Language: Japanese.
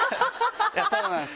そうなんですよ。